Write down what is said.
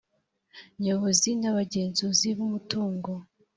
nyobozi n abagenzuzi b umutungo